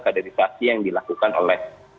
kaderisasi yang dilakukan oleh